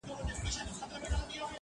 زما د سترگو له جوړښته قدم اخله!